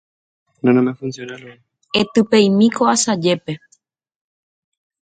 Etypeimi ko asajépe.